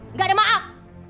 nggak ada maaf